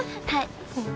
はい。